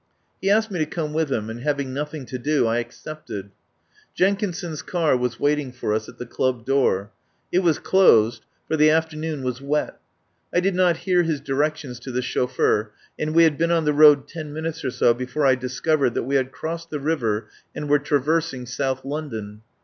He asked me to come with him, and, having nothing to do, I accepted. Jenkinson's car was waiting for us at the club door. It was closed, for the afternoon 43 THE POWER HOUSE was wet. I did not hear his directions to the chauffeur, and we had been on the road ten minutes or so before I discovered that we had crossed the river and were traversing South London.